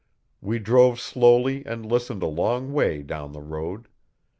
We drove slowly and listened a long way down the road.